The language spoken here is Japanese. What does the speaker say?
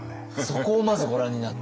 そこをまずご覧になって？